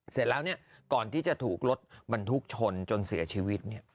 เสร็จแล้วก่อนที่จะถูกรถบรรทุกชนจนเสียชีวิต